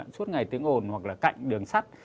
suốt ngày tiếng ồn hoặc là cạnh đường sắt